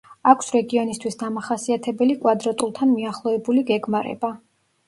აქვს რეგიონისთვის დამახასიათებელი კვადრატულთან მიახლოებული გეგმარება.